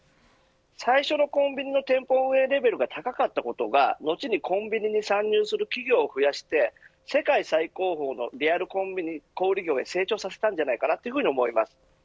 最初のコンビニの店舗運営レベルが高かったことが後にコンビニに参入する企業を増やして世界最高峰のリアルコンビニ小売業へ成長させたんだなと思います。